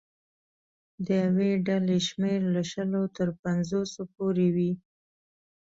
د یوې ډلې شمېر له شلو تر پنځوسو پورې وي.